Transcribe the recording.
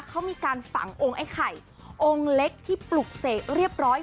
เขามีการฝังองค์ไอ้ไข่องค์เล็กที่ปลุกเสกเรียบร้อย